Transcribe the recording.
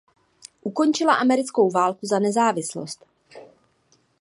Ukončila americkou válku za nezávislost.